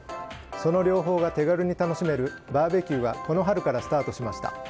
その両方が手軽に楽しめるバーベキューはこの春からスタートしました。